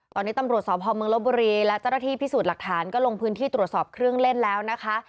ตอนนี้ตำรวจสพเมืองลบบุรีและเจ้าหน้าที่พิสูจน์หลักฐานก็ลงพื้นที่ตรวจสอบเครื่องเล่นแล้วนะคะ